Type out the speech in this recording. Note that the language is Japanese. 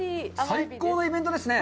最高のイベントですね。